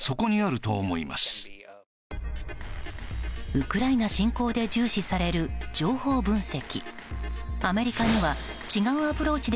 ウクライナ侵攻で重視される情報分析。